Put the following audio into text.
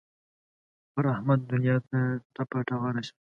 پر احمد دونیا ټپه ټغره شوه.